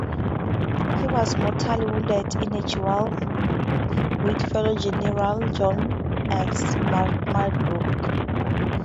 He was mortally wounded in a duel with fellow general John S. Marmaduke.